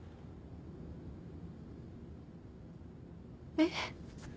えっ？